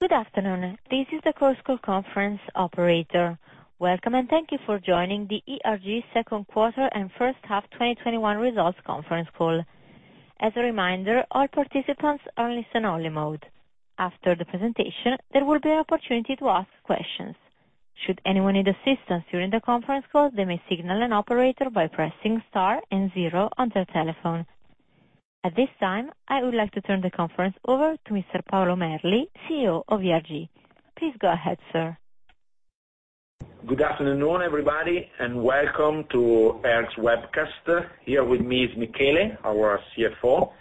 Good afternoon. This is the Chorus Call conference operator. Welcome, and thank you for joining the ERG Second Quarter and First Half 2021 Results Conference Call. As a reminder, all participants are in listen-only mode. After the presentation, there will be an opportunity to ask questions. Should anyone need assistance during the conference call, they may signal an operator by pressing star and zero on their telephone. At this time, I would like to turn the conference over to Mr. Paolo Merli, CEO of ERG. Please go ahead, sir. Good afternoon, everybody, and welcome to ERG's webcast. Here with me is Michele, our CFO.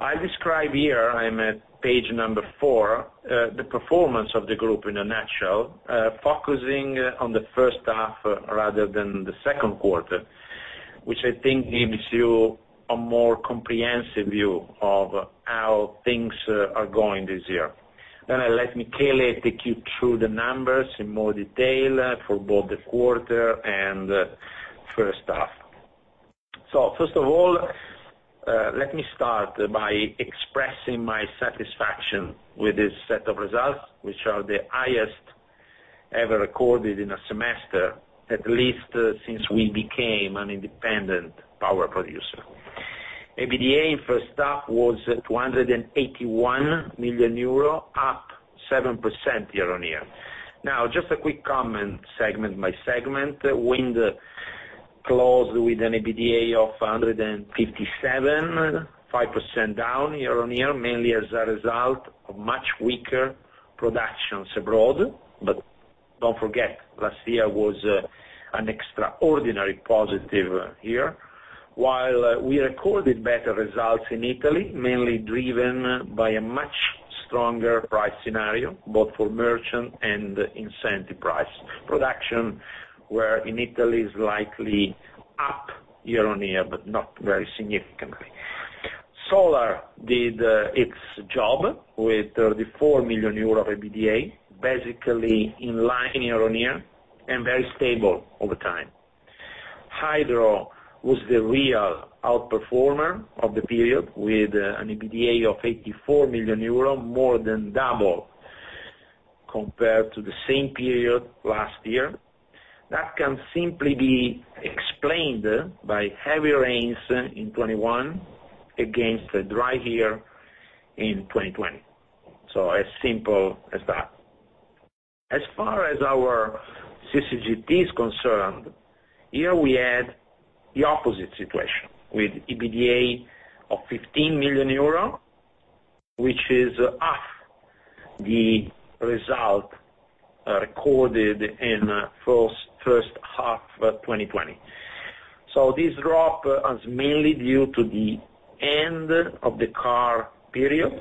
I describe here, I'm at page four, the performance of the group in a nutshell, focusing on the first half rather than the second quarter, which I think gives you a more comprehensive view of how things are going this year. I'll let Michele take you through the numbers in more detail for both the quarter and first half. First of all, let me start by expressing my satisfaction with this set of results, which are the highest ever recorded in a semester, at least since we became an independent power producer. EBITDA in first half was at EUR 281 million, up 7% year-on-year. Just a quick comment, segment by segment. Wind closed with an EBITDA of 157 million, 5% down year-on-year, mainly as a result of much weaker productions abroad. Do not forget, last year was an extraordinary positive year. While we recorded better results in Italy, mainly driven by a much stronger price scenario, both for merchant and incentive price. Production, where in Italy is likely up year-on-year, but not very significantly. Solar did its job with 34 million euro of EBITDA, basically in line year-on-year and very stable over time. Hydro was the real outperformer of the period, with an EBITDA of 84 million euro, more than double compared to the same period last year. That can simply be explained by heavy rains in 2021 against a dry year in 2020. As simple as that. As far as our CCGT is concerned, here we had the opposite situation with EBITDA of 15 million euro, which is half the result recorded in first half of 2020. This drop is mainly due to the end of the CAR period,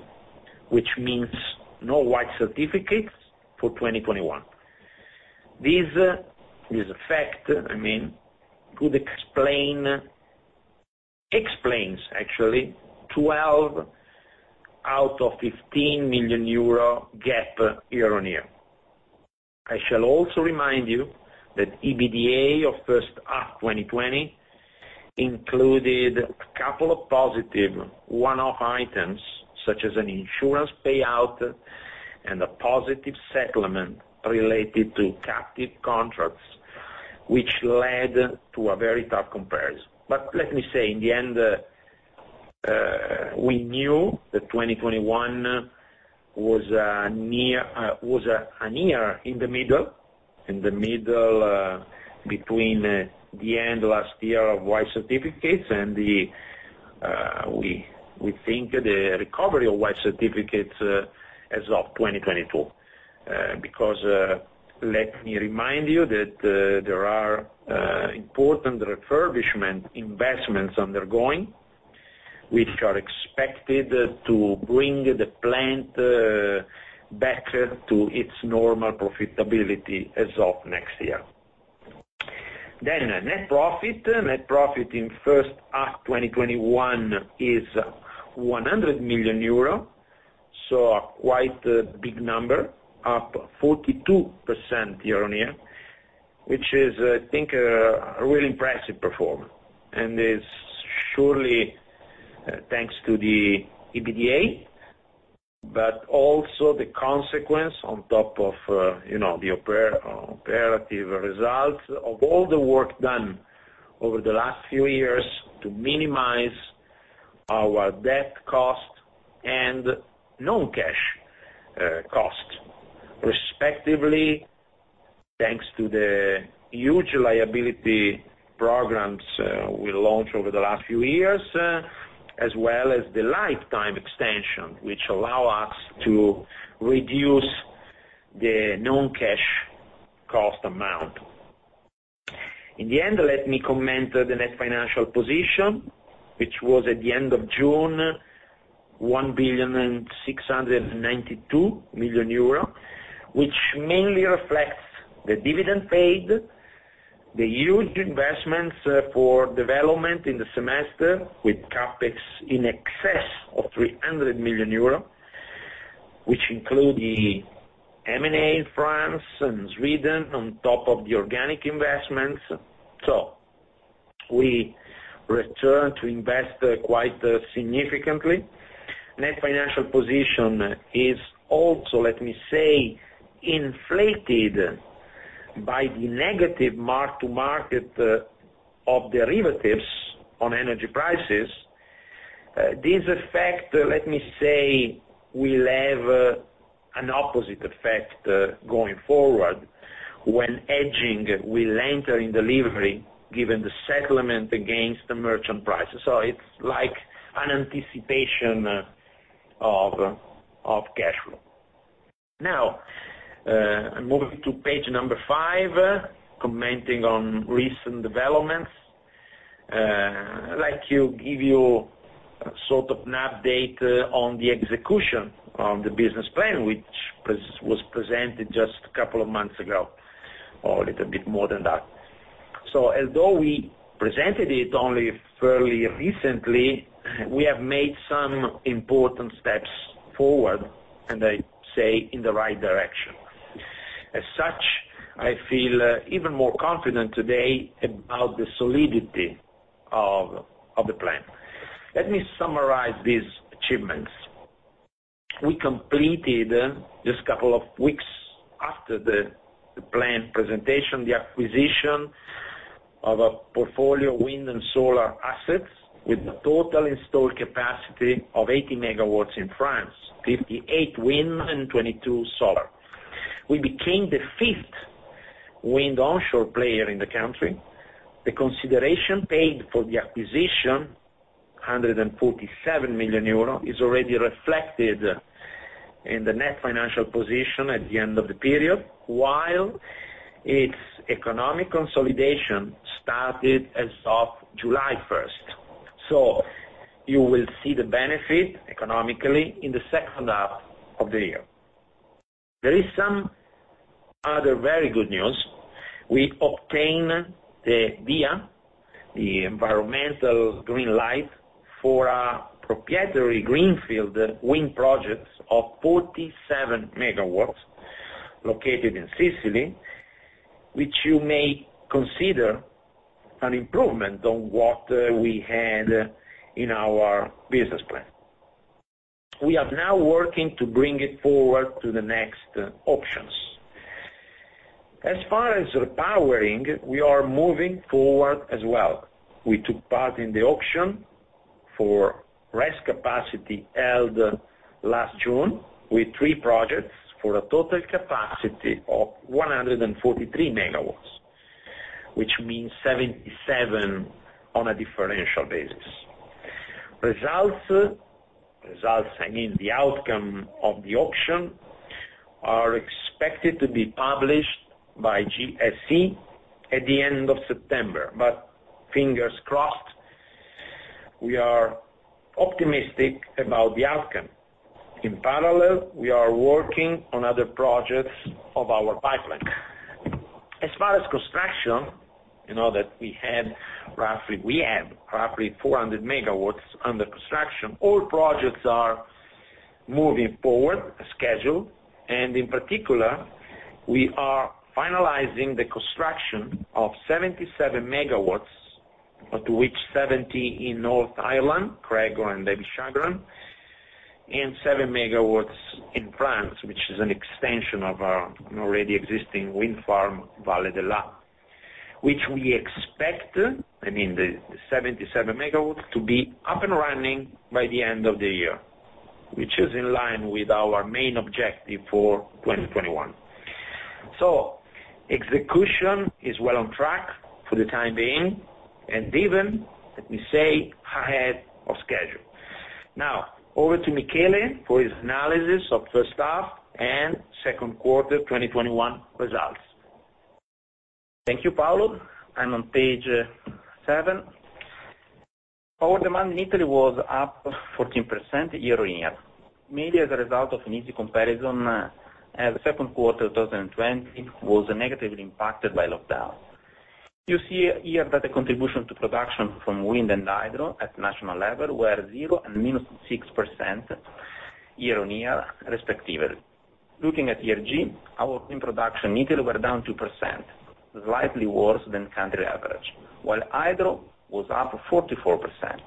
which means no white certificates for 2021. This effect explains, actually, 12 million out of 15 million euro gap year on year. I shall also remind you that EBITDA of first half 2020 included a couple of positive one-off items, such as an insurance payout and a positive settlement related to captive contracts, which led to a very tough comparison. Let me say, in the end, we knew that 2021 was a year in the middle, between the end of last year of white certificates and we think the recovery of white certificates as of 2022. Let me remind you that there are important refurbishment investments undergoing, which are expected to bring the plant back to its normal profitability as of next year. Net profit. Net profit in first half 2021 is 100 million euro. A quite big number, up 42% year-on-year, which is, I think, a really impressive performance, and is surely thanks to the EBITDA, but also the consequence on top of the operative results of all the work done over the last few years to minimize our debt cost and non-cash cost. Respectively, thanks to the huge liability programs we launched over the last few years, as well as the lifetime extension, which allow us to reduce the non-cash cost amount. In the end, let me comment on the net financial position, which was at the end of June, 1 billion and 692 million euro, which mainly reflects the dividend paid, the huge investments for development in the semester with CapEx in excess of 300 million euro, which include the M&A in France and Sweden on top of the organic investments. We return to invest quite significantly. Net financial position is also, let me say, inflated by the negative mark to market of derivatives on energy prices. This effect, let me say, will have an opposite effect, going forward, when hedging will enter in delivery, given the settlement against the merchant prices. It's like an anticipation of cash flow. Now, I'm moving to page number five, commenting on recent developments. I'd like to give you sort of an update on the execution of the business plan, which was presented just a couple of months ago, or a little bit more than that. Although we presented it only fairly recently, we have made some important steps forward, and I say in the right direction. As such, I feel even more confident today about the solidity of the plan. Let me summarize these achievements. We completed, just a couple of weeks after the plan presentation, the acquisition of a portfolio of wind and solar assets, with a total installed capacity of 80 MW in France, 58 MW wind and 22 MW solar. We became the fifth wind onshore player in the country. The consideration paid for the acquisition, 147 million euro, is already reflected in the net financial position at the end of the period, while its economic consolidation started as of July 1st. You will see the benefit economically in the second half of the year. There is some other very good news. We obtained the VIA, the environmental green light, for our proprietary greenfield wind projects of 47 MW located in Sicily, which you may consider an improvement on what we had in our business plan. We are now working to bring it forward to the next auctions. As far as repowering, we are moving forward as well. We took part in the auction for RES capacity held last June, with three projects for a total capacity of 143 MW, which means 77 on a differential basis. Results, I mean the outcome of the auction, are expected to be published by GSE at the end of September. Fingers crossed, we are optimistic about the outcome. In parallel, we are working on other projects of our pipeline. As far as construction, you know that we have roughly 400 MW under construction. All projects are moving forward as scheduled, and in particular, we are finalizing the construction of 77 MW, of which 70 MW in Northern Ireland, Craiggore and Evishagaran, and 7 MW in France, which is an extension of our already existing wind farm, Vallée de l'Aa, which we expect, I mean the 77 MW, to be up and running by the end of the year, which is in line with our main objective for 2021. Execution is well on track for the time being, and even, let me say, ahead of schedule. Now, over to Michele for his analysis of the first half and second quarter 2021 results. Thank you, Paolo. I'm on page seven. Power demand in Italy was up 14% year-on-year, mainly as a result of an easy comparison, as second quarter 2020 was negatively impacted by lockdown. You see here that the contribution to production from wind and hydro at national level were 0% and -6% year-on-year respectively. Looking at ERG, our wind production in Italy were down 2%, slightly worse than country average, while hydro was up 44%,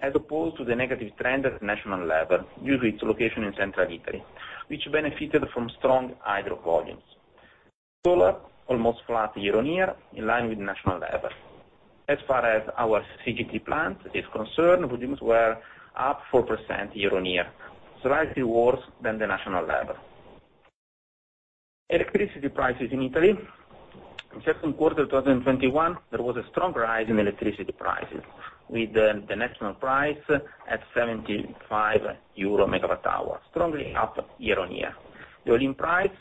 as opposed to the negative trend at national level, due to its location in central Italy, which benefited from strong hydro volumes. Solar, almost flat year-on-year, in line with national level. As far as our CCGT plant is concerned, volumes were up 4% year-on-year, slightly worse than the national level. Electricity prices in Italy. In second quarter 2021, there was a strong rise in electricity prices, with the national price at 75 euro MWh, strongly up year-on-year. The blended price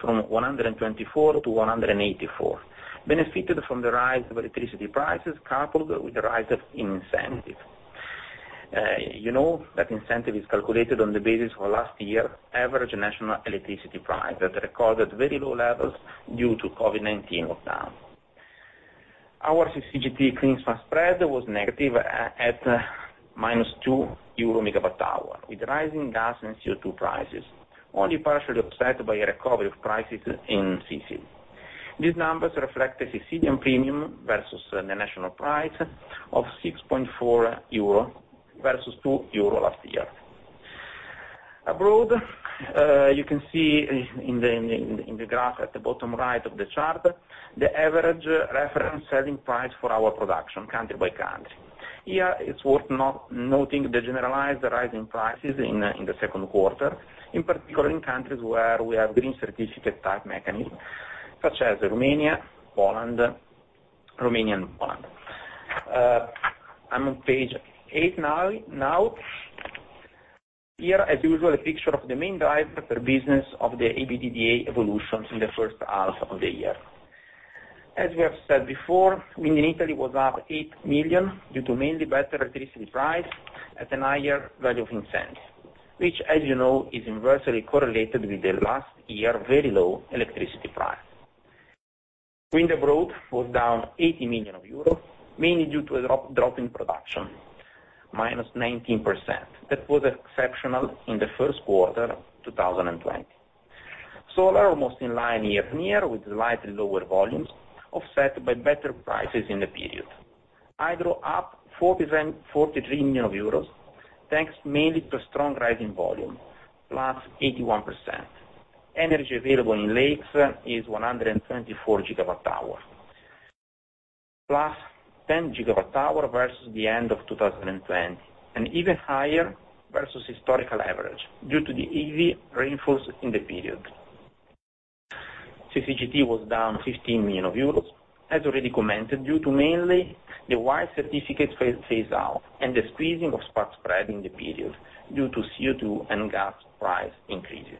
from 124-184 benefited from the rise of electricity prices, coupled with the rise of incentive. You know that incentive is calculated on the basis of last year's average national electricity price that recorded very low levels due to COVID-19 lockdown. Our CCGT clean spread was negative at -2 euro MWh, with rising gas and CO2 prices, only partially offset by a recovery of prices in CCGT. These numbers reflect the Sicilian premium versus the national price of 6.4 euro versus 2 euro last year. Abroad, you can see in the graph at the bottom right of the chart, the average reference selling price for our production country by country. Here, it's worth noting the generalized rising prices in the second quarter, in particular in countries where we have green certificate type mechanism, such as Romania and Poland. I'm on page eight now. Here, as usual, a picture of the main driver per business of the EBITDA evolutions in the first half of the year. As we have said before, wind in Italy was up 8 million, due to mainly better electricity price at a higher value of incentives. Which, as you know, is inversely correlated with the last year very low electricity price. Wind abroad was down 80 million euros, mainly due to a drop in production, -19%. That was exceptional in the first quarter 2020. Solar, almost in line year-on-year with slightly lower volumes, offset by better prices in the period. Hydro up 43 million euros, thanks mainly to a strong rise in volume, +81%. Energy available in lakes is 124 GWh, +10 GWh versus the end of 2020, and even higher versus historical average due to the heavy rainfalls in the period. CCGT was down 15 million euros, as already commented, due to mainly the white certificate phase out and the squeezing of spark spread in the period due to CO2 and gas price increases.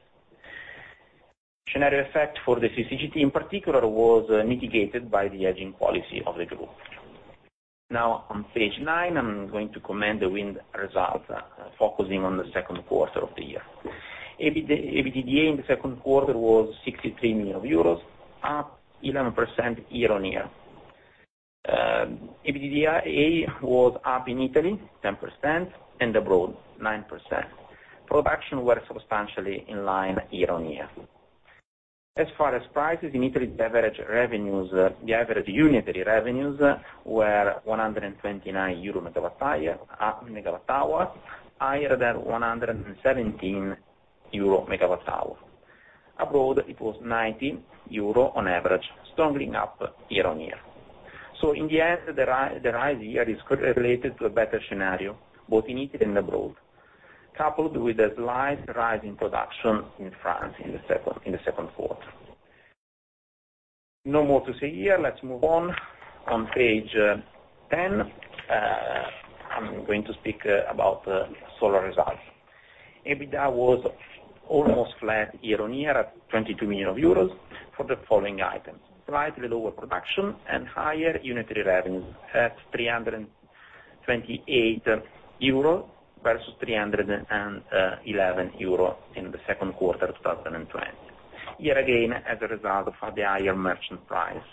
Scenario effect for the CCGT, in particular, was mitigated by the hedging policy of the group. On page nine, I'm going to comment the wind results, focusing on the second quarter of the year. EBITDA in the second quarter was 63 million euros, +11% year-on-year. EBITDA was up in Italy +10% and abroad +9%. Production were substantially in line year-on-year. As far as prices, in Italy, the average unitary revenues were 129 euro MWh, higher than 117 euro MWh. Abroad, it was 90 euro on average, strongly up year-on-year. In the end, the rise here is correlated to a better scenario, both in Italy and abroad, coupled with a slight rise in production in France in the second quarter. No more to say here. Let's move on. On page 10, I'm going to speak about solar results. EBITDA was almost flat year-on-year at 22 million euros for the following items: slightly lower production and higher unitary revenues at 328 euro versus 311 euro in the second quarter of 2020. Here again, as a result of the higher merchant price.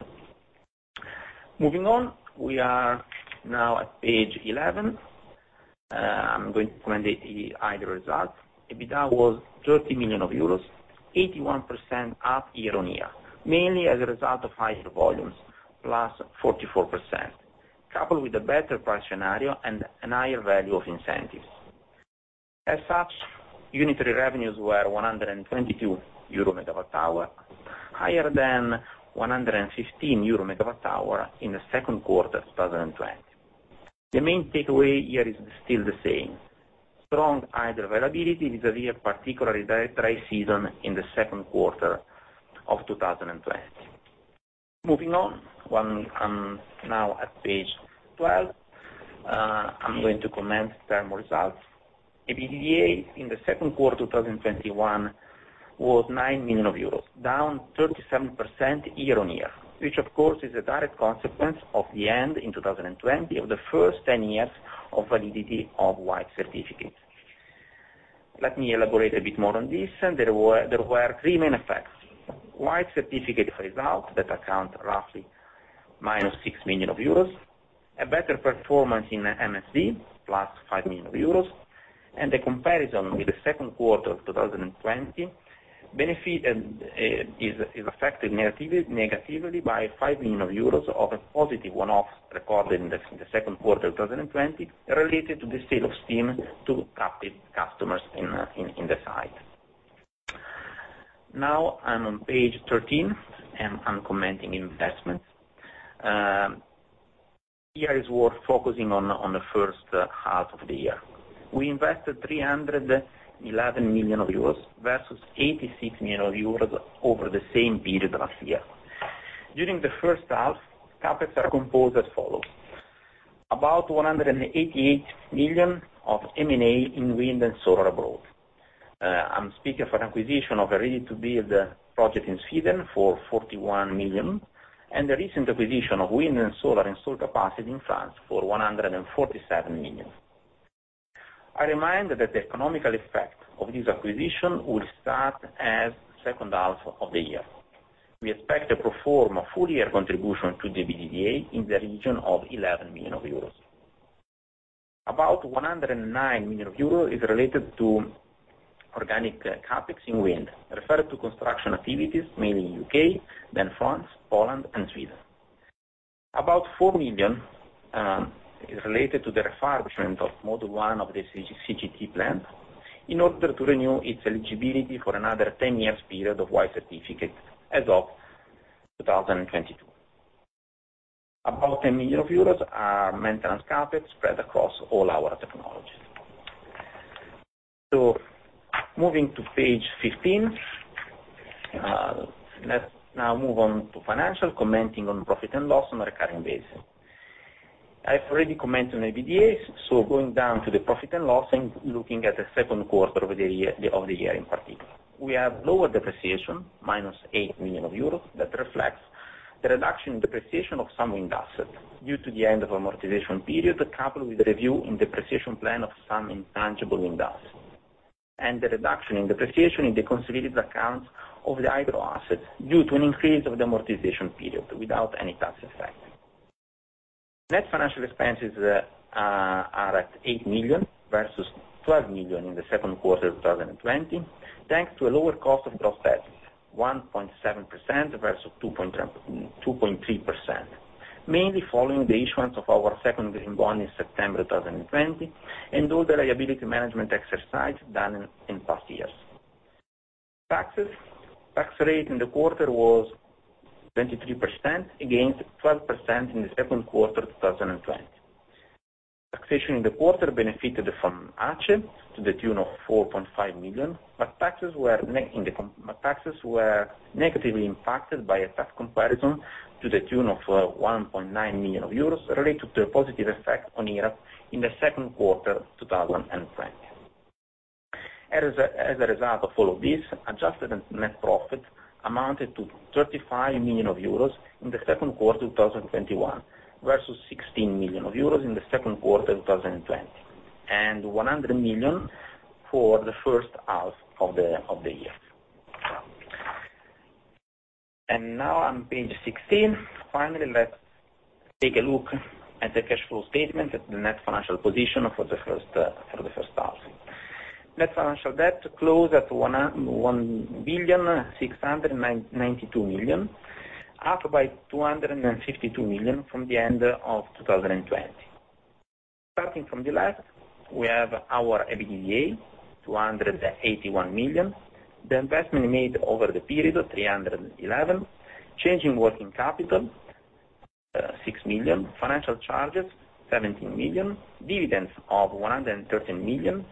Moving on, we are now at page 11. I'm going to comment the hydro results. EBITDA was 30 million euros, 81% up year-on-year, mainly as a result of higher volumes, +44%, coupled with a better price scenario and a higher value of incentives. As such, unitary revenues were 122 euro MWh, higher than 115 euro MWh in the second quarter of 2020. The main takeaway here is still the same, strong hydro availability vis-à-vis a particularly dry season in the second quarter of 2020. Moving on. I'm now at page 12. I'm going to comment thermal results. EBITDA in the second quarter 2021 was 9 million euros, down 37% year-on-year, which of course is a direct consequence of the end in 2020 of the first 10 years of validity of white certificates. Let me elaborate a bit more on this. There were three main effects. white certificate phase out that account roughly -6 million euros, a better performance in MSD, +5 million euros, and the comparison with the second quarter of 2020 benefit is affected negatively by 5 million euros of a positive one-off recorded in the second quarter of 2020, related to the sale of steam to captive customers in the site. Now, I'm on page 13, and I'm commenting investments. Here is worth focusing on the first half of the year. We invested 311 million euros, versus 86 million euros over the same period last year. During the first half, CapEx are composed as follows: about 188 million of M&A in wind and solar abroad. I am speaking for acquisition of a ready-to-build project in Sweden for 41 million, and the recent acquisition of wind and solar installed capacity in France for 147 million. I remind that the economic effect of this acquisition will start as second half of the year. We expect to perform a full year contribution to the EBITDA in the region of 11 million euros. About 109 million euros is related to organic CapEx in wind, referred to construction activities, mainly U.K., then France, Poland and Sweden. About 4 million is related to the refurbishment of module one of the CCGT plant in order to renew its eligibility for another 10-year period of white certificate as of 2022. About 10 million are maintenance CapEx spread across all our technologies. Moving to page 15. Let's now move on to finance, commenting on profit and loss on a recurring basis. I've already commented on EBITDA, so going down to the profit and loss and looking at the second quarter of the year in particular. We have lower depreciation, -8 million euros, that reflects the reduction in depreciation of some wind assets due to the end of amortization period, coupled with a review in depreciation plan of some intangible wind assets, and the reduction in depreciation in the consolidated accounts of the hydro assets due to an increase of the amortization period without any tax effect. Net financial expenses are at 8 million versus 12 million in the second quarter of 2020, thanks to a lower cost of gross debt, 1.7% versus 2.3%. Mainly following the issuance of our second green bond in September 2020, and all the liability management exercise done in past years. Taxes. Tax rate in the quarter was 23% against 12% in the second quarter of 2020. Taxation in the quarter benefited from ACE to the tune of 4.5 million, but taxes were negatively impacted by a tough comparison to the tune of 1.9 million euros related to a positive effect on IRAP in the second quarter of 2020. As a result of all of this, adjusted net profit amounted to 35 million euros in the second quarter of 2021, versus 16 million euros in the second quarter of 2020, and 100 million for the first half of the year. Now on page 16, finally, let's take a look at the cash flow statement at the net financial position for the first half. Net financial debt closed at 1,692 million, up by 252 million from the end of 2020. Starting from the left, we have our EBITDA, 281 million. The investment made over the period, 311 million. Change in working capital, 6 million. Financial charges, 17 million. Dividends of 113 million.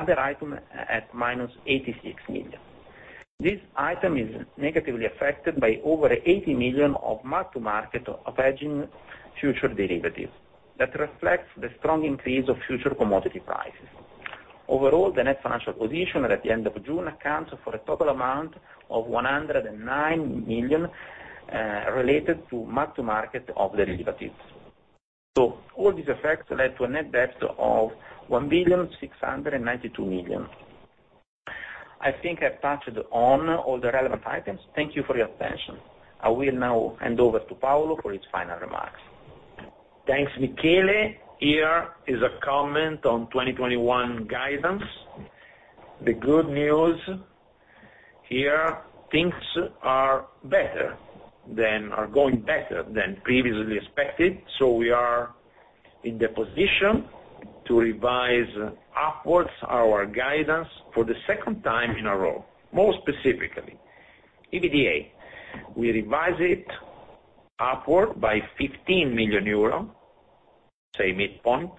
Other item at -86 million. This item is negatively affected by over 80 million of mark to market of hedging future derivatives. That reflects the strong increase of future commodity prices. Overall, the net financial position at the end of June accounts for a total amount of 109 million, related to mark to market of derivatives. All these effects led to a net debt of 1,692 million. I think I've touched on all the relevant items. Thank you for your attention. I will now hand over to Paolo for his final remarks. Thanks, Michele. Here is a comment on 2021 guidance. The good news here, things are going better than previously expected, we are in the position to revise upwards our guidance for the second time in a row. More specifically, EBITDA. We revise it upward by 15 million euro, say midpoint,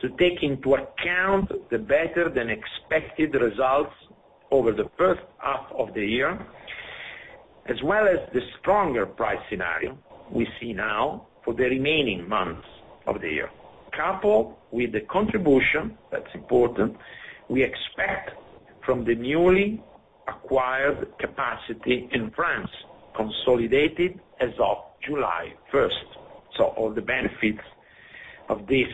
to take into account the better than expected results over the first half of the year, as well as the stronger price scenario we see now for the remaining months of the year. Coupled with the contribution, that's important, we expect from the newly acquired capacity in France, consolidated as of July 1st. All the benefits of this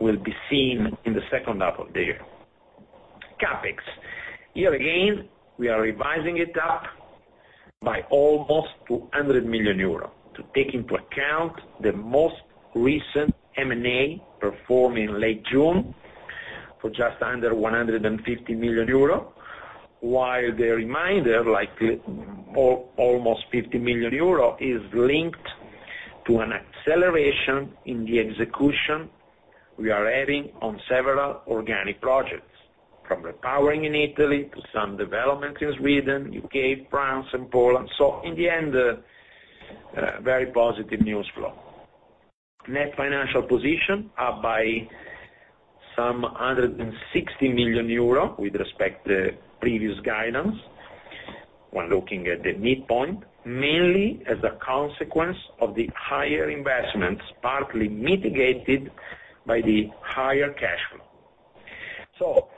will be seen in the second half of the year. CapEx. Here again, we are revising it up by almost 200 million euros to take into account the most recent M&A performed in late June for just under 150 million euro. While the remainder, like almost 50 million euro, is linked to an acceleration in the execution we are having on several organic projects, from repowering in Italy to some developments in Sweden, U.K., France and Poland. In the end, very positive news flow. net financial position, up by some 160 million euro with respect to previous guidance, when looking at the midpoint, mainly as a consequence of the higher investments, partly mitigated by the higher cash flow.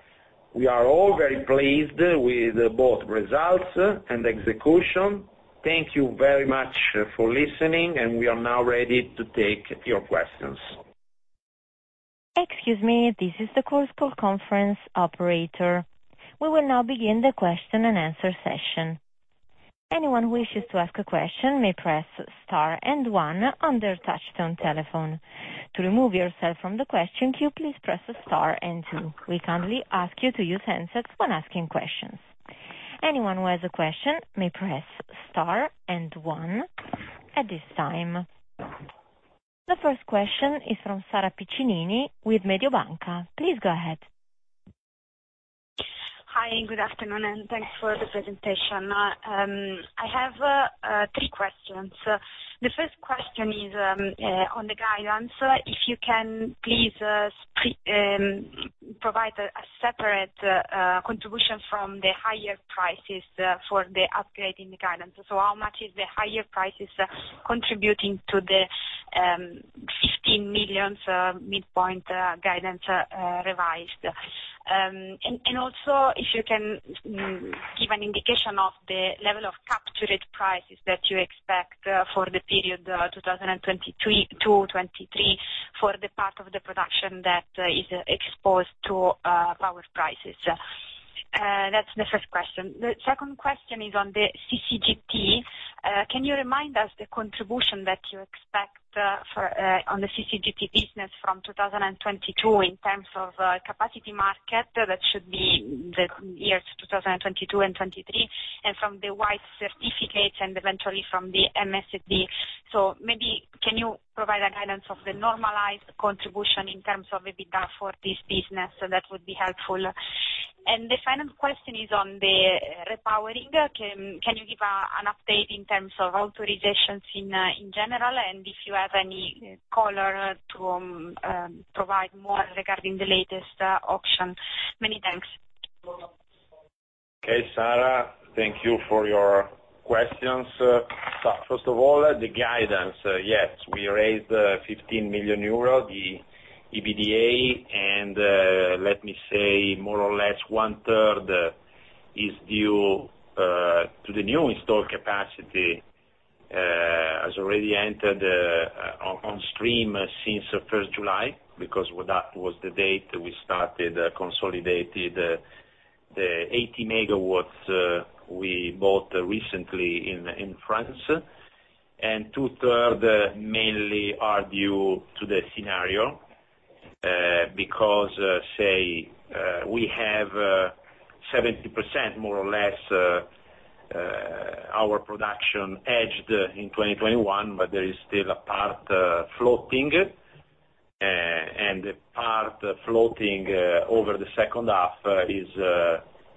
We are all very pleased with both results and execution. Thank you very much for listening, and we are now ready to take your questions. Excuse me. This is the Chorus Call conference operator. We will now begin the question and answer session. Anyone who wishes to ask a question may press star and one on their touchtone telephone. To remove yourself from the question queue, please press star and two. We kindly ask you to use handsets when asking questions. Anyone who has a question may press star and one at this time. The first question is from Sara Piccinini with Mediobanca. Please go ahead. Hi, good afternoon. Thanks for the presentation. I have three questions. The first question is on the guidance, if you can please provide a separate contribution from the higher prices for the upgrade in the guidance. How much is the higher prices contributing to the 15 million midpoint guidance revised? Also if you can give an indication of the level of captured prices that you expect for the period 2022-2023 for the part of the production that is exposed to power prices. That's the first question. The second question is on the CCGT. Can you remind us the contribution that you expect on the CCGT business from 2022 in terms of capacity market that should be the years 2022 and 2023, and from the white certificates and eventually from the MSD. Maybe can you provide a guidance of the normalized contribution in terms of EBITDA for this business? That would be helpful. The final question is on the repowering. Can you give an update in terms of authorizations in general, and if you have any color to provide more regarding the latest auction. Many thanks. Okay, Sara. Thank you for your questions. First of all, the guidance. Yes, we raised 15 million euros, the EBITDA, let me say, more or less one third is due to the new installed capacity, has already entered on stream since 1st July, because that was the date we started consolidated the 80 MW we bought recently in France. Two-third mainly are due to the scenario, because, say, we have 70%, more or less, our production hedged in 2021, but there is still a part floating. The part floating over the second half is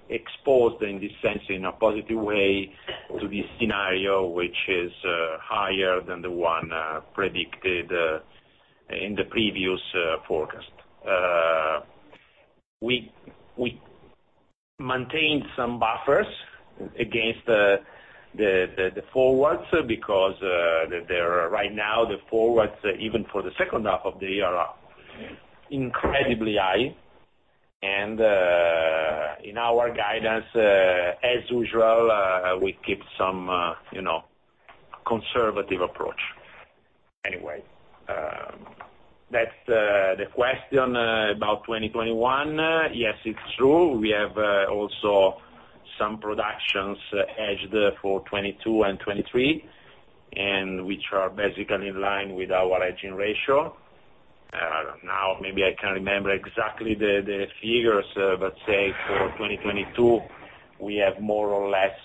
exposed in this sense in a positive way to this scenario, which is higher than the one predicted in the previous forecast. We maintained some buffers against the forwards because right now, the forwards, even for the second half of the year, are incredibly high. In our guidance as usual, we keep some conservative approach. That's the question about 2021. Yes, it's true. We have also some productions hedged for 2022 and 2023, which are basically in line with our hedging ratio. Maybe I can't remember exactly the figures, but say for 2022, we have more or less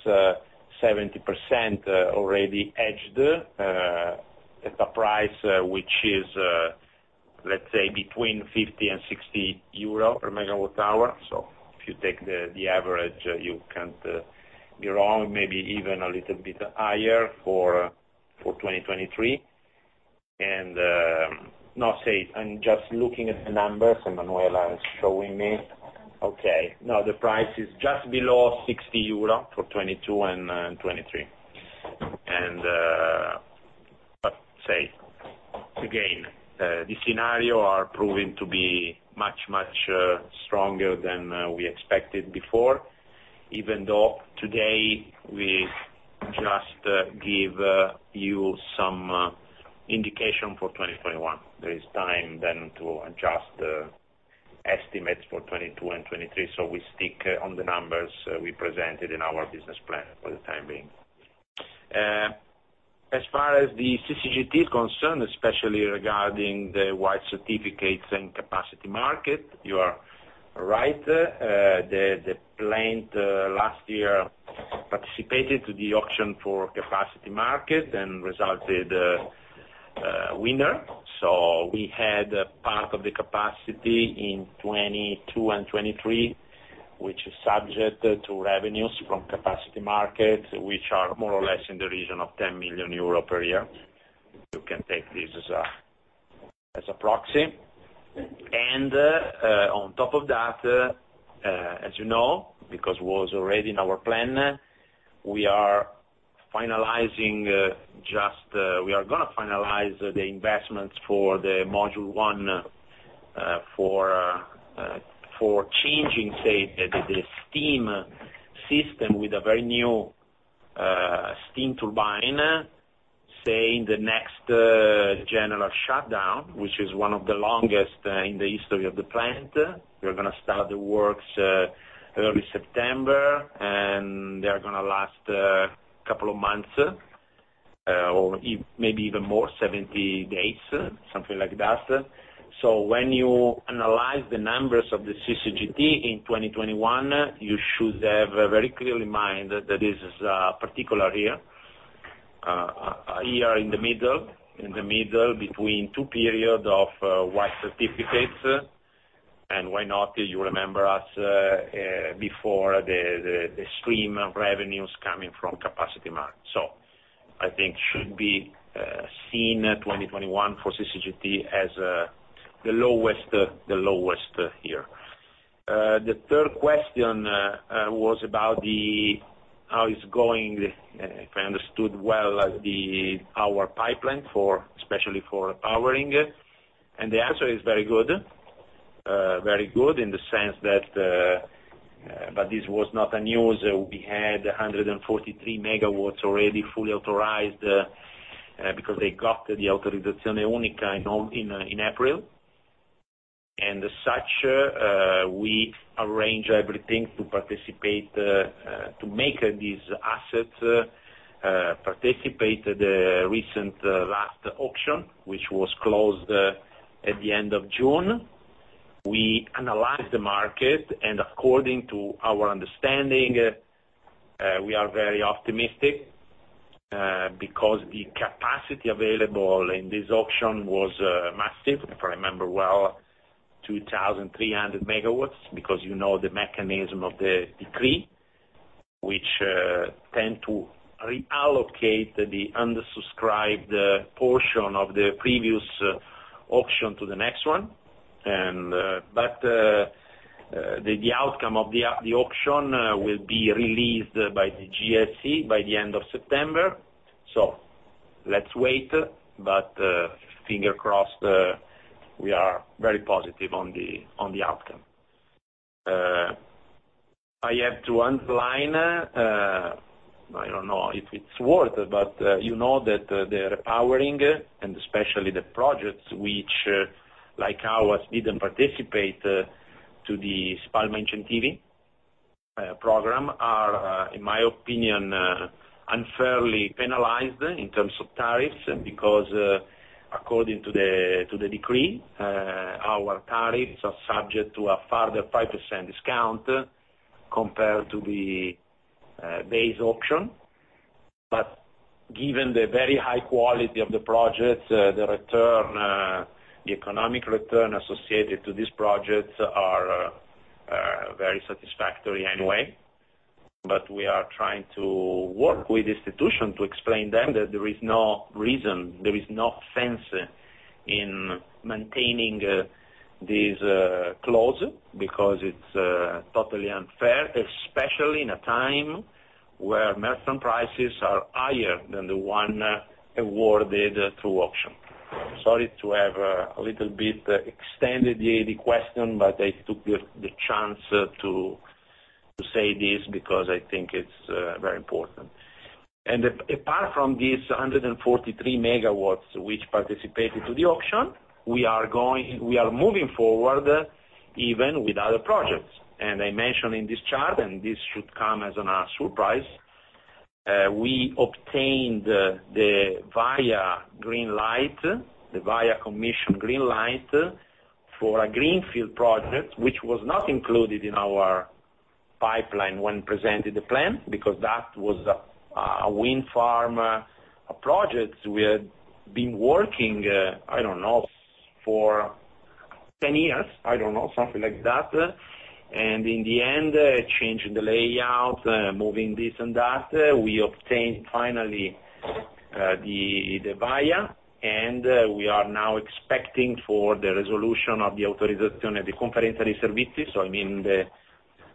70% already hedged at a price which is, let's say between 50-60 euro per MWh. If you take the average, you can't be wrong, maybe even a little bit higher for 2023. No, say, I'm just looking at the numbers Emanuela is showing me. Okay, no, the price is just below 60 euro for 2022 and 2023. Say, again, the scenario are proving to be much stronger than we expected before, even though today we just give you some indication for 2021. There is time to adjust estimates for 2022 and 2023, so we stick on the numbers we presented in our business plan for the time being. As far as the CCGT is concerned, especially regarding the white certificates and capacity market, you are right. The plant last year participated to the auction for capacity market and resulted winner. We had a part of the capacity in 2022 and 2023, which is subject to revenues from capacity markets, which are more or less in the region of 10 million euro per year. You can take this as a proxy. On top of that, as you know, because it was already in our plan, we are going to finalize the investments for the module one for changing the steam system with a very new steam turbine in the next general shutdown, which is one of the longest in the history of the plant. We are going to start the works early September. They are going to last a couple of months, or maybe even more, 70 days, something like that. When you analyze the numbers of the CCGT in 2021, you should have very clearly in mind that this is a particular year. A year in the middle, between two periods of white certificates. Why not? You remember us before the stream of revenues coming from capacity market. I think should be seen 2021 for CCGT as the lowest year. The third question was about how it is going, if I understood well, our pipeline especially for powering. The answer is very good, in the sense that this was not a news. We had 143 MW already fully authorized, because they got the autorizzazione unica in April. As such, we arrange everything to make these assets participate the recent last auction, which was closed at the end of June. We analyzed the market, according to our understanding, we are very optimistic, because the capacity available in this auction was massive. If I remember well, 2,300 MW, because you know the mechanism of the decree, which tend to reallocate the undersubscribed portion of the previous auction to the next one. The outcome of the auction will be released by the GSE by the end of September. Let's wait, but finger crossed, we are very positive on the outcome. I have to underline, I don't know if it's worth, but you know that the repowering, and especially the projects which, like ours, didn't participate to the Spalma Incentivi program are, in my opinion, unfairly penalized in terms of tariffs, because according to the decree, our tariffs are subject to a further 5% discount compared to the base auction. Given the very high quality of the project, the economic return associated to these projects are very satisfactory anyway. We are trying to work with institution to explain them that there is no reason, there is no sense in maintaining this clause, because it's totally unfair, especially in a time where merchant prices are higher than the one awarded through auction. Sorry to have a little bit extended the question, but I took the chance to say this because I think it's very important. Apart from these 143 MW, which participated to the auction, we are moving forward even with other projects. I mentioned in this chart, and this should come as a surprise, we obtained the VIA green light for a greenfield project, which was not included in our pipeline when presented the plan, because that was a wind farm project we had been working, I don't know, for 10 years. I don't know, something like that. In the end, changing the layout, moving this and that, we obtained finally, the VIA, and we are now expecting for the resolution of the autorizzazione, the conferenza di servizi, so I mean the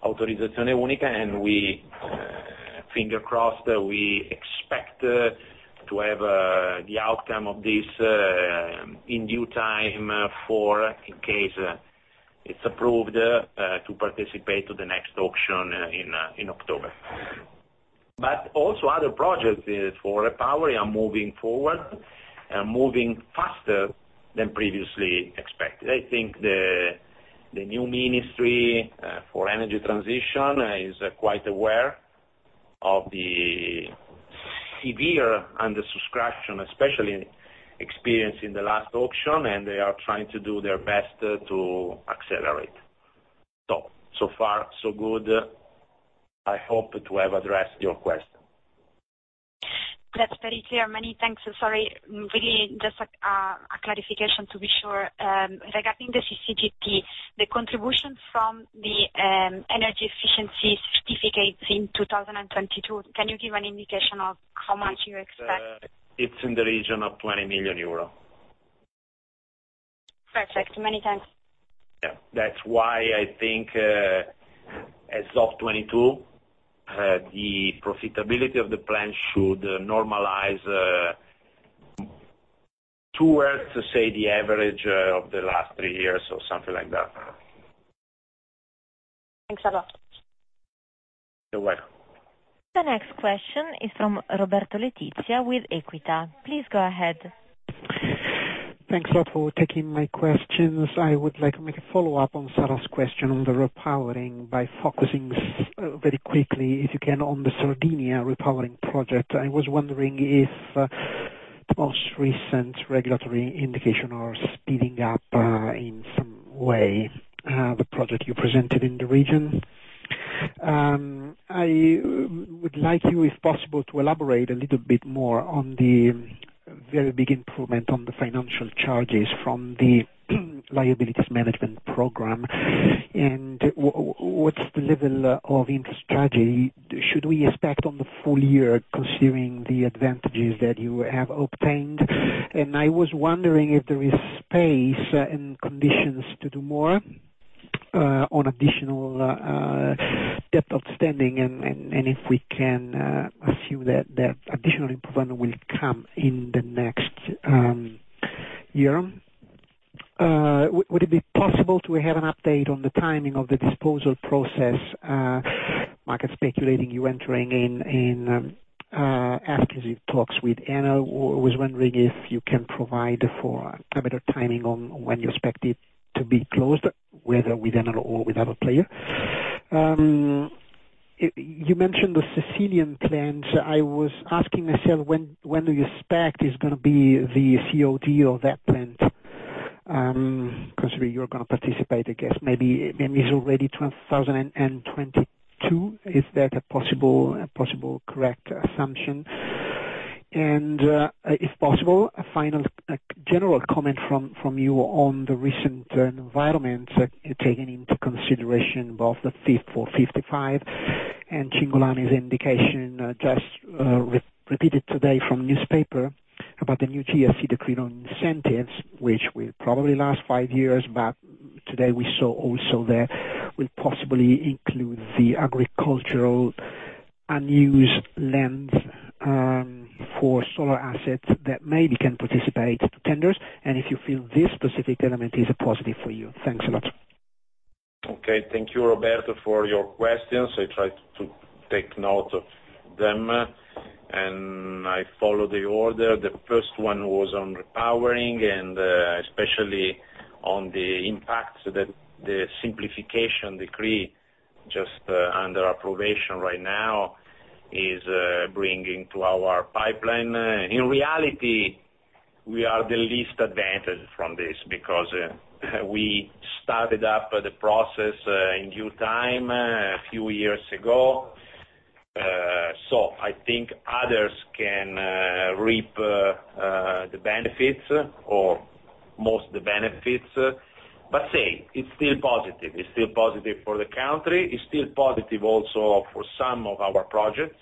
autorizzazione unica, and finger crossed, we expect to have the outcome of this in due time for, in case it's approved, to participate to the next auction in October. Also other projects for repowering are moving forward, are moving faster than previously expected. I think the new Ministry for energy transition is quite aware of the severe undersubscription, especially experienced in the last auction, they are trying to do their best to accelerate. So far, so good. I hope to have addressed your question. That's very clear. Many thanks, sorry, really just a clarification to be sure. Regarding the CCGT, the contribution from the energy efficiency certificates in 2022, can you give an indication of how much you expect? It's in the region of 20 million euro. Perfect. Many thanks. Yeah. That's why I think, as of 2022, the profitability of the plan should normalize towards, say, the average of the last three years or something like that. Thanks a lot. You're welcome. The next question is from Roberto Letizia with Equita. Please go ahead. Thanks a lot for taking my questions. I would like to make a follow-up on Sara's question on the repowering by focusing very quickly, if you can, on the Sardinia Repowering project. I was wondering if the most recent regulatory indication are speeding up, in some way, the project you presented in the region. I would like you, if possible, to elaborate a little bit more on the very big improvement on the financial charges from the liability management program. What's the level of interest strategy should we expect on the full year, considering the advantages that you have obtained? I was wondering if there is space and conditions to do more, on additional, debt outstanding, and if we can assume that additional improvement will come in the next year. Would it be possible to have an update on the timing of the disposal process? Market's speculating you entering in exclusive talks with Enel. I was wondering if you can provide for a better timing on when you expect it to be closed, whether with Enel or with other player. You mentioned the Sicilian plant. I was asking myself, when do you expect is going to be the COD of that plant, considering you're going to participate, I guess. Maybe it's already 2022. Is that a possible correct assumption? If possible, a final general comment from you on the recent environment, taking into consideration both the Fit for 55 and Cingolani's indication, just repeated today from newspaper, about the new GSE decree on incentives, which will probably last five years, but today we saw also that will possibly include the agricultural unused lands, for solar assets that maybe can participate tenders, and if you feel this specific element is a positive for you. Thanks a lot. Okay. Thank you, Roberto, for your questions. I try to take note of them, and I follow the order. The first one was on repowering and especially on the impact that the Simplification Decree, just under approbation right now, is bringing to our pipeline. In reality, we are the least advantaged from this because we started up the process in due time, a few years ago. I think others can reap the benefits or most the benefits. Same, it's still positive. It's still positive for the country. It's still positive also for some of our projects,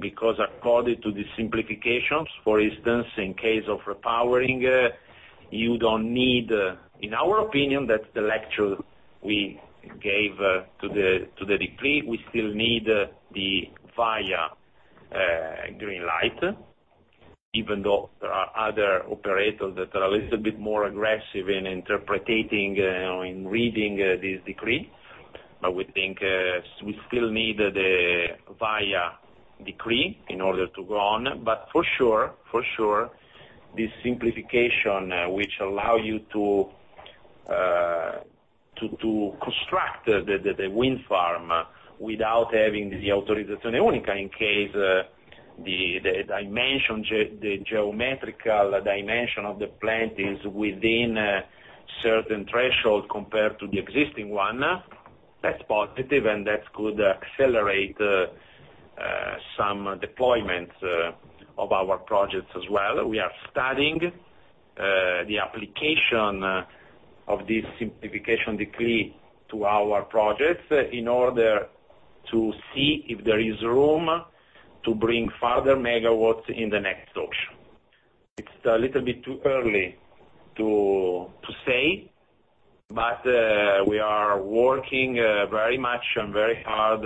because according to the simplifications, for instance, in case of repowering. In our opinion, that's the lecture we gave to the decree. We still need the VIA green light, even though there are other operators that are a little bit more aggressive in interpreting, in reading this decree. We think we still need the VIA decree in order to go on. For sure, this simplification which allow you to construct the wind farm without having the autorizzazione unica in case the geometrical dimension of the plant is within certain thresholds compared to the existing one. That's positive, and that could accelerate some deployments of our projects as well. We are studying the application of this Simplification Decree to our projects in order to see if there is room to bring further megawatts in the next auction. It's a little bit too early to say, but we are working very much and very hard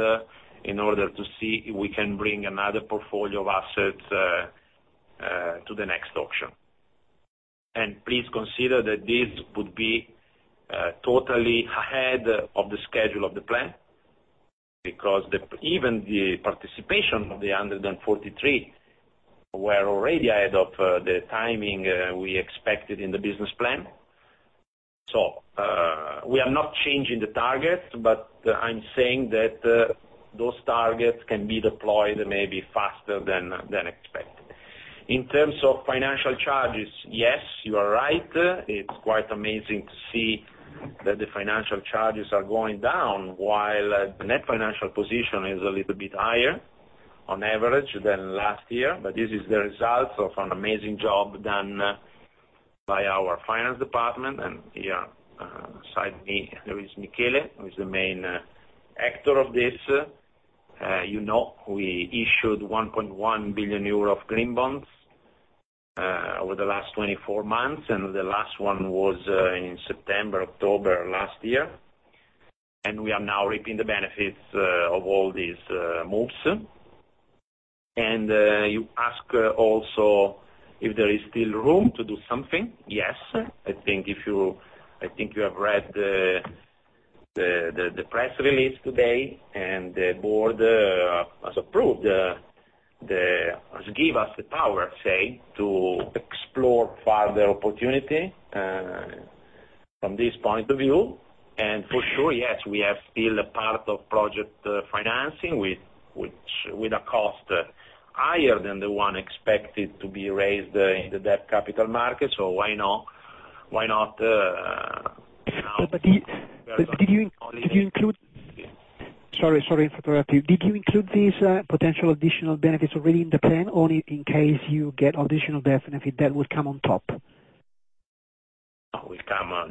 in order to see if we can bring another portfolio of assets to the next auction. Please consider that this would be totally ahead of the schedule of the plan, because even the participation of the 143 were already ahead of the timing we expected in the business plan. We are not changing the target, but I'm saying that those targets can be deployed maybe faster than expected. In terms of financial charges, yes, you are right. It's quite amazing to see that the financial charges are going down while the net financial position is a little bit higher on average than last year. This is the result of an amazing job done by our finance department. Beside me, there is Michele, who is the main actor of this. You know, we issued 1.1 billion euro of green bonds over the last 24 months. The last one was in September, October last year. We are now reaping the benefits of all these moves. You ask also if there is still room to do something. Yes. I think you have read the press release today. The board has give us the power, say, to explore further opportunity from this point of view. For sure, yes, we have still a part of project financing, with a cost higher than the one expected to be raised in the debt capital market. Why not? Sorry for interrupting. Did you include these potential additional benefits already in the plan, or in case you get additional benefit, that will come on top?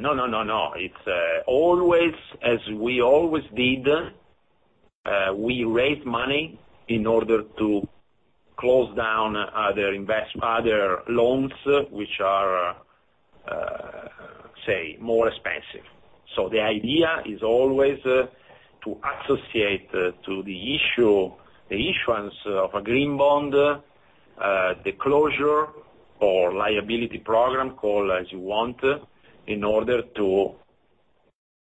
No, no. It's as we always did, we raise money in order to close down other loans, which are say, more expensive. The idea is always to associate to the issuance of a green bond, the closure or liability program call as you want, in order to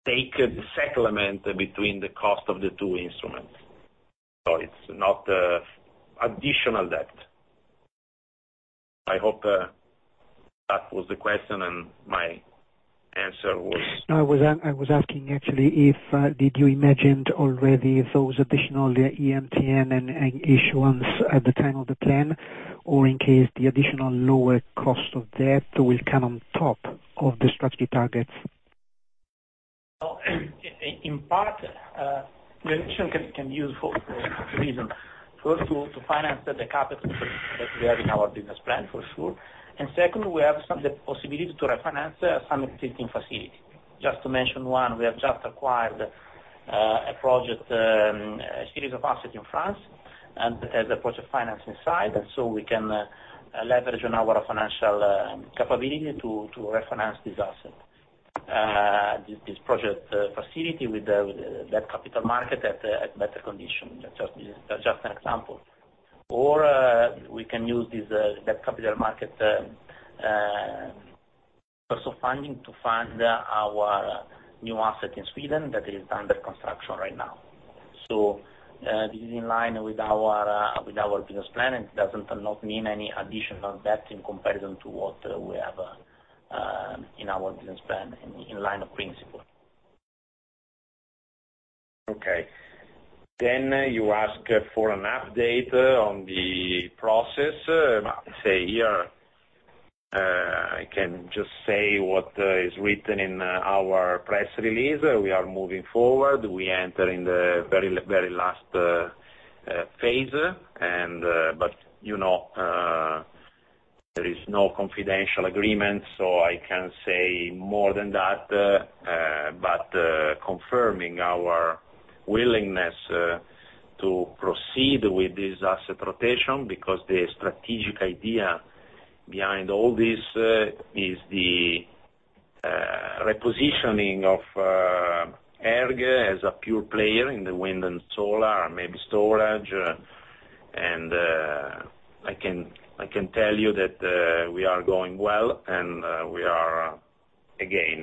take a settlement between the cost of the two instruments. It's not additional debt. I hope that was the question. No, I was asking actually if, did you imagined already those additional EMTN and issuance at the time of the plan, or in case the additional lower cost of debt will come on top of the strategic targets? In part, reduction can be used for reasons. First, to finance the capital that we have in our business plan, for sure. Second, we have the possibility to refinance some existing facility. Just to mention one, we have just acquired a project, a series of assets in France, and that has a project financing side. We can leverage on our financial capability to refinance this asset, this project facility with that capital market at better condition. That's just an example. We can use that capital market personal funding to fund our new asset in Sweden that is under construction right now. This is in line with our business plan, and it doesn't not mean any additional debt in comparison to what we have in our business plan, in line of principle. Okay. You ask for an update on the process. I can just say what is written in our press release. We are moving forward. We enter in the very last phase. There is no confidential agreement, so I can't say more than that, but confirming our willingness to proceed with this asset rotation, because the strategic idea behind all this is the repositioning of ERG as a pure player in the wind and solar, and maybe storage. I can tell you that we are going well, and we are again,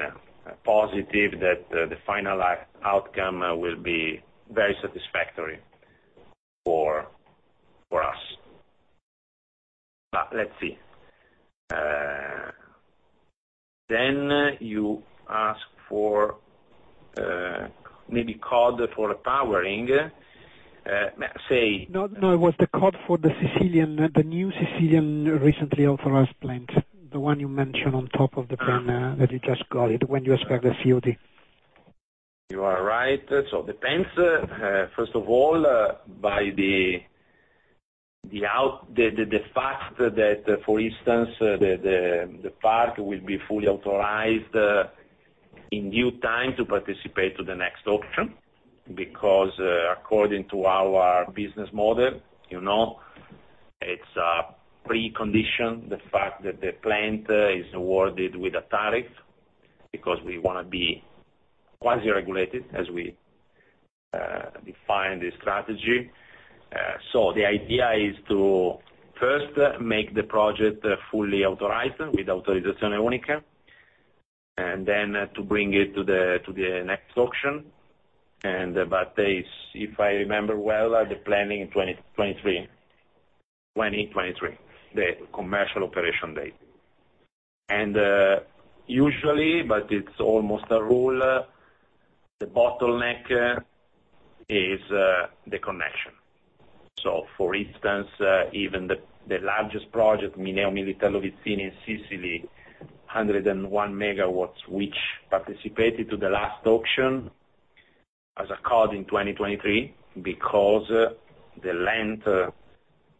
positive that the final outcome will be very satisfactory for us. Let's see. You ask for maybe COD for powering. No, it was the COD for the new Sicilian recently authorized plant. The one you mentioned on top of the plan that you just got it when you described the COD. You are right. Depends, first of all, by the fact that, for instance, the park will be fully authorized in due time to participate to the next auction, because according to our business model, it's a precondition, the fact that the plant is awarded with a tariff, because we want to be quasi-regulated as we define the strategy. The idea is to first make the project fully authorized with autorizzazione unica, and then to bring it to the next auction. About pace, if I remember well, the planning 2023, the commercial operation date. Usually, but it's almost a rule, the bottleneck is the connection. For instance, even the largest project, Mineo-Militello-Vizzini in Sicily, 101 MW, which participated to the last auction, as occurred in 2023, because the length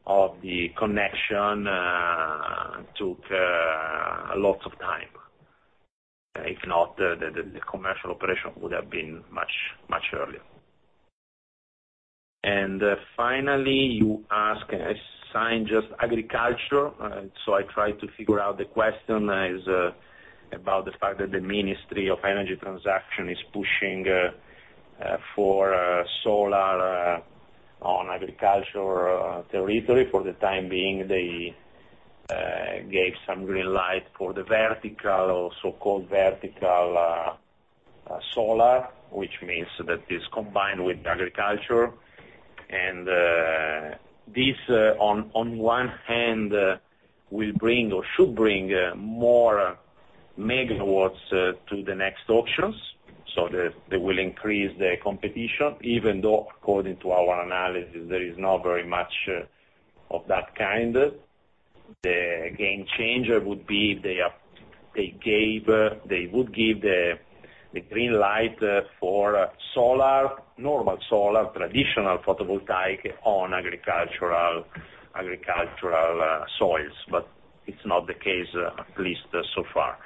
of the connection took lots of time. If not, the commercial operation would have been much earlier. Finally, you ask, a sign, just agriculture. I try to figure out the question is about the fact that the Ministry of Ecological Transition is pushing for solar on agricultural territory. For the time being, they gave some green light for the so-called vertical solar, which means that it's combined with agriculture. This, on one hand, will bring or should bring more megawatts to the next auctions, so they will increase the competition, even though according to our analysis, there is not very much of that kind. The game changer would be they would give the green light for normal solar, traditional photovoltaic, on agricultural soils. It's not the case, at least so far.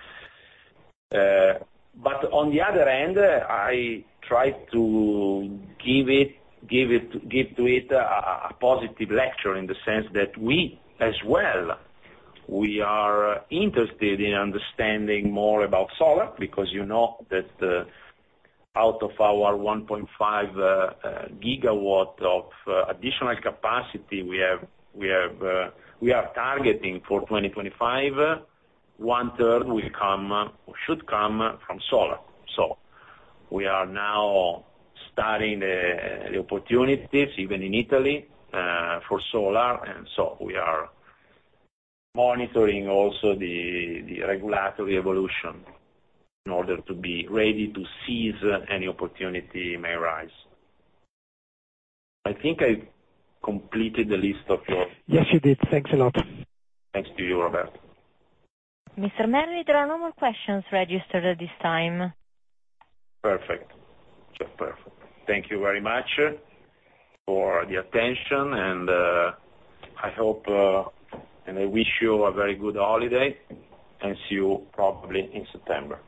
On the other hand, I try to give to it a positive lecture in the sense that we, as well, are interested in understanding more about solar, because you know that out of our 1.5 GW of additional capacity we are targeting for 2025, one third will come or should come from solar. We are now studying the opportunities, even in Italy, for solar. We are monitoring also the regulatory evolution in order to be ready to seize any opportunity may rise. I think I completed the list of your- Yes, you did. Thanks a lot. Thanks to you, Roberto. Mr. Merli, there are no more questions registered at this time. Perfect. Thank you very much for the attention, and I wish you a very good holiday, and see you probably in September.